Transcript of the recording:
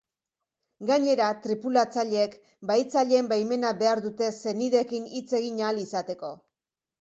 Gainera, tripulatzaileek bahitzaileen baimena behar dute senideekin hitz egin ahal izateko.